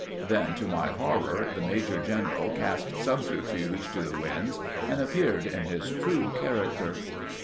Then, to my horror, the major general cast subterfuge to the winds and appeared in his true character.